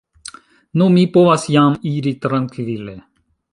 Nu, mi povas jam iri trankvile!